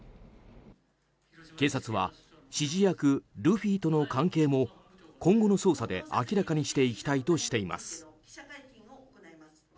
警察は指示役ルフィとの関係も今後の捜査で明らかにしていきたいとしています。